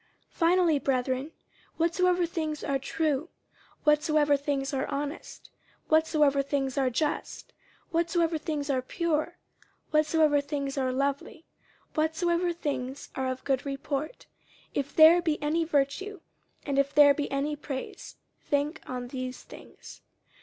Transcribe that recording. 50:004:008 Finally, brethren, whatsoever things are true, whatsoever things are honest, whatsoever things are just, whatsoever things are pure, whatsoever things are lovely, whatsoever things are of good report; if there be any virtue, and if there be any praise, think on these things.